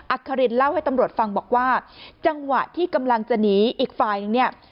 อครินเล่าให้ตำรวจฟังบอกว่าจังหวะที่กำลังจะหนีอีกฝ่ายนึงเนี่ย